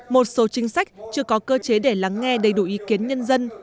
một số chính sách chưa có cơ chế để lắng nghe đầy đủ ý kiến nhân dân